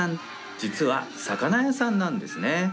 実は、魚屋さんなんですね。